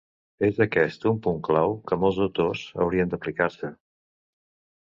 És aquest un punt clau que molts autors haurien d'aplicar-se.